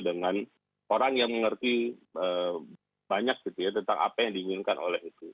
dengan orang yang mengerti banyak gitu ya tentang apa yang diinginkan oleh itu